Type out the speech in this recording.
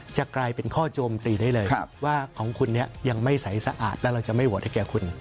จะกลายเป็นข้อโจมตีได้เลยว่าของคุณเนี่ยยังไม่ใสสะอาดแล้วเราจะไม่โหวตให้แก่คุณ